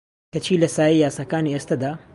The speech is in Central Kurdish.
کەچی لە سایەی یاساکانی ئێستەدا